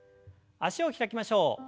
脚を開きましょう。